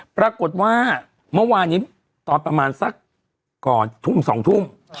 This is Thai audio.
ปรากฏว่าเมื่อวานนี้ตอนประมาณสักก่อนทุ่ม๒ทุ่ม